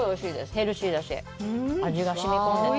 ヘルシーだし、味がしみ込んでて。